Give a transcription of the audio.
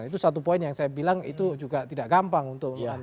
itu satu poin yang saya bilang itu juga tidak gampang untuk